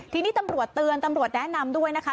ทีนี้ตำรวจเตือนตำรวจแนะนำด้วยนะคะ